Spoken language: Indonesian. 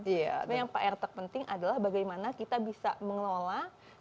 tapi yang pak erta penting adalah bagaimana kita bisa mengelola sampah yang optimal